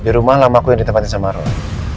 di rumah lama aku yang ditempatin sama roy